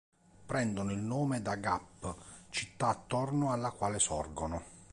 Prendono il nome da Gap, città attorno alla quale sorgono.